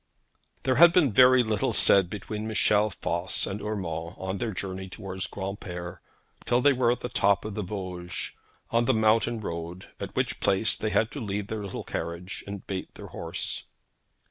There had been very little said between Michel Voss and Urmand on their journey towards Granpere till they were at the top of the Vosges, on the mountain road, at which place they had to leave their little carriage and bait their horse.